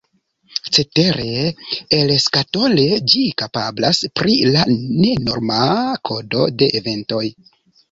Cetere, elskatole ĝi kapablas pri la nenorma kodo de Eventoj.